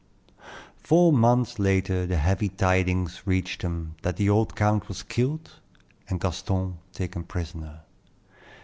Four months later the heavy tidings reached them that the old count was killed and Gaston taken prisoner.